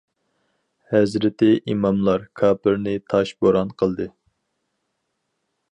ھەزرىتى ئىماملار كاپىرنى تاش بوران قىلدى.